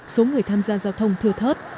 số người tham gia giao thông thưa thớt